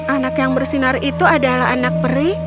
anak yang bersinar itu adalah anak peri